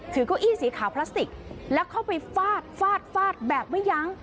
เก้าอี้สีขาวพลาสติกแล้วเข้าไปฟาดฟาดฟาดแบบไม่ยั้ง